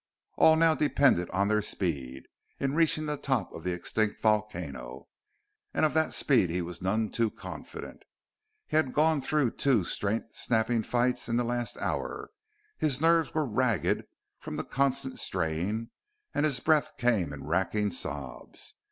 All now depended on their speed in reaching the top of the extinct volcano, and of that speed he was none too confident. He had gone through two strength sapping fights in the last hour; his nerves were ragged from the constant strain, and his breath came in racking sobs.